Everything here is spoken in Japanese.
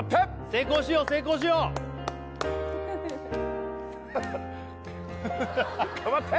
成功しよう成功しよう！頑張って！